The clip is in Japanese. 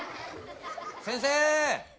先生！